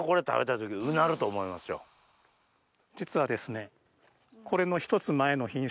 実はですね。